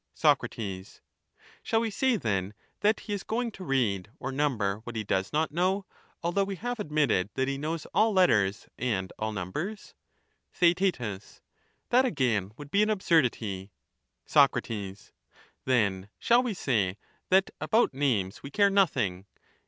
Soc, Shall we say then that he is going to read or number what he does not know, although we have admitted that he 199 knows all letters and all numbers ? Theaet, That, again, would be an absurdity. Soc, Then shall we say that about names we care nothing